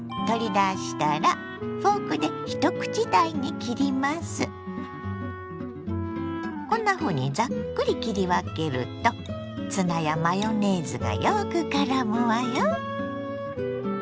取り出したらこんなふうにザックリ切り分けるとツナやマヨネーズがよくからむわよ。